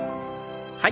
はい。